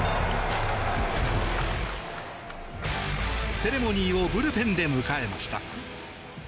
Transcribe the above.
セレモニーをブルペンで迎えました。